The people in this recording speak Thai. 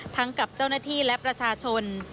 กับเจ้าหน้าที่และประชาชน